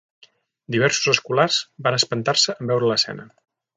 Diversos escolars van espantar-se en veure l’escena.